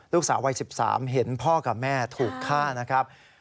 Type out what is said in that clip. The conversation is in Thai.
ลูกสาววัย๑๓เห็นพ่อกับแม่ถูกฆ่านะครับ